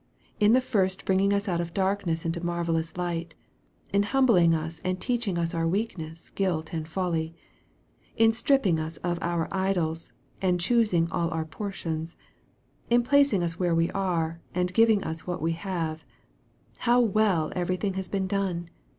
In the first bringing us out of darkness into marvellous light in humbling us and teaching us our weakness, guilt, and folly in stripping us of our idols, and choosing all our portions in placing us where we are, and giving us what we have how veil everything has been done